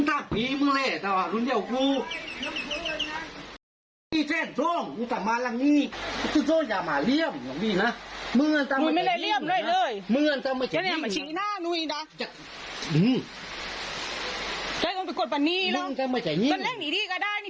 อยากเจอก่อนอื่นอยู่อย่างนี้